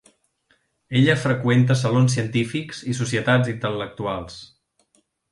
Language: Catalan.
Ella freqüenta salons científics i societats intel·lectuals.